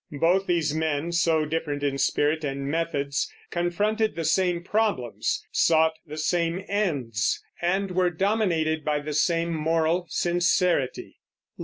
Both these men, so different in spirit and methods, confronted the same problems, sought the same ends, and were dominated by the same moral sincerity.